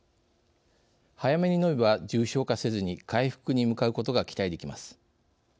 早めに飲めば、重症化せずに回復に向かうことが期待できます。